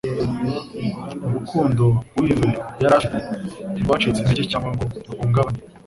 Urukurtdo uive yari abafitiye, ntirwacitse intege, cyangwa ngo ruhungabane